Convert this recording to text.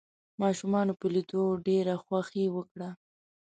ماشومانو په ليدو ډېره خوښي وکړه.